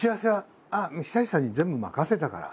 「久石さんに全部任せたから」